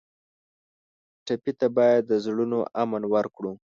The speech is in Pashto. ټپي ته باید د زړونو امن ورکړو.